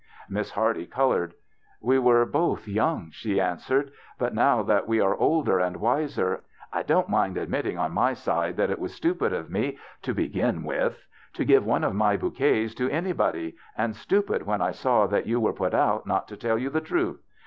Miss Hardy colored. " We were both young," she answered, " but now that we are older and wiser, I don't mind admitting on my side that it was stupid of me, to begin with, to give one of my bouquets to any body, and stupid when I saw that you were put out not to tell you the truth.